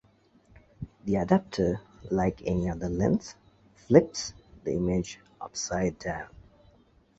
The adapter, like any other lens, flips the image upside-down.